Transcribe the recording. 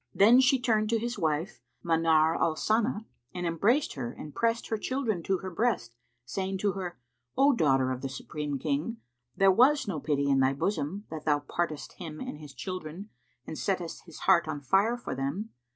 Then she turned to his wife Manar al Sana and embraced her and pressed her children to her breast, saying to her, "O daughter of the Supreme King, was there no pity in thy bosom, that thou partedst him and his children and settedst his heart on fire for them?